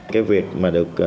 cái việc mà được